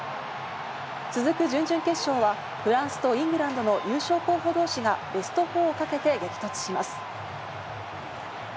続く準々決勝はフランスとイングランドの優勝候補同士がベスト４かけて激突します。